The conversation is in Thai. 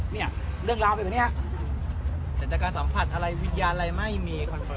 เนี้ยเรื่องราวไปกันเนี้ยแต่แต่การสัมผัสอะไรวิญญาณอะไรไม่มี